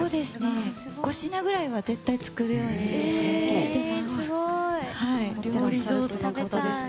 ５品くらいは絶対作るようにしてます。